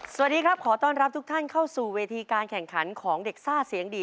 สวัสดีครับขอต้อนรับทุกท่านเข้าสู่เวทีการแข่งขันของเด็กซ่าเสียงดี